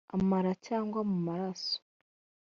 amara cyangwa mu maraso